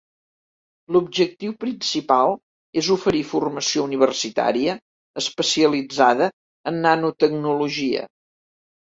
L'objectiu principal és oferir formació universitària especialitzada en nanotecnologia.